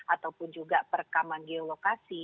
ataupun juga perekaman geolokasi